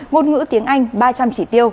ngôn ngữ tiếng anh ba trăm linh trí tiêu